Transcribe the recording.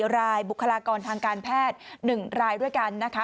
รายบุคลากรทางการแพทย์๑รายด้วยกันนะคะ